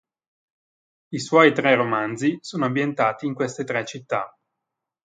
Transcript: I suoi tre romanzi sono ambientati in queste tre città.